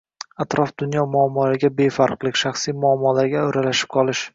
atrof dunyo muammolariga befarqlik, shaxsiy muammolarga o‘ralashib qolish;